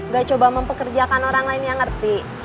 gak coba mempekerjakan orang lain yang ngerti